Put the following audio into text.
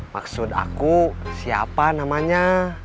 maksud aku siapa namanya